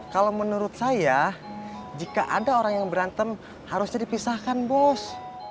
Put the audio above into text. kalau menurut saya jika ada orang yang berantem harusnya dipisahkan bos